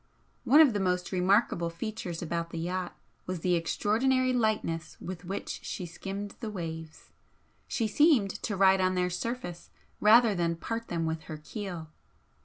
One of the most remarkable features about the yacht was the extraordinary lightness with which she skimmed the waves she seemed to ride on their surface rather than part them with her keel.